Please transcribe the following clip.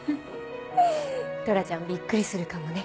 トラちゃんびっくりするかもね。